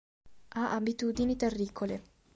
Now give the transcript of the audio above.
Ha abitudini terricole.